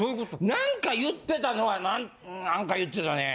何か言ってたのはうん何か言ってたねぇ。